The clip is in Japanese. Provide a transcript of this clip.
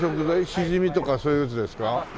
しじみとかそういうやつですか？